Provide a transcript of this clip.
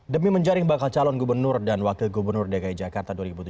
demi menjaring bakal calon gubernur dan wakil gubernur dki jakarta dua ribu tujuh belas